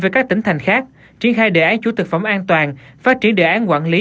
với các tỉnh thành khác triển khai đề án chuỗi thực phẩm an toàn phát triển đề án quản lý